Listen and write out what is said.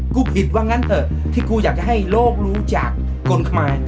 ผิดว่างั้นเถอะที่กูอยากจะให้โลกรู้จากกฎหมาย